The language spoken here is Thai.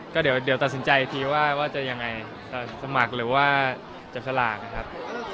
ก็เดี๋ยวตัดสินใจอีกทีว่าจะยังไงสมัครหรือว่าจับสลากนะครับ